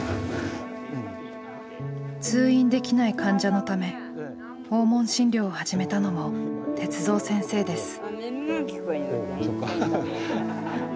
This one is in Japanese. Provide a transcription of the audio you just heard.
通院できない患者のため訪問診療を始めたのも鉄三先生です。